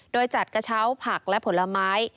โดยจัดกระเช้าผักและผลไม้